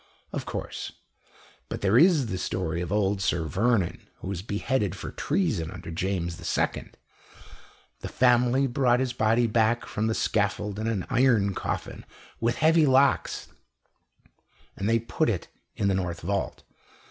"Of course. But there is the story of old Sir Vernon, who was beheaded for treason under James II. The family brought his body back from the scaffold in an iron coffin with heavy locks, and they put it in the north vault.